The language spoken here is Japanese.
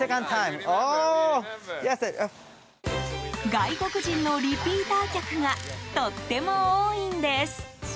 外国人のリピーター客がとっても多いんです。